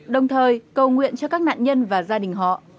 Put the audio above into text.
đồng thời cầu nguyện cho các nạn nhân và gia đình họ